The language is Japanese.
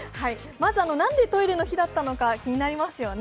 まず、なんでトイレの日だったのか気になりますよね。